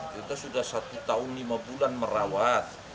kita sudah satu tahun lima bulan merawat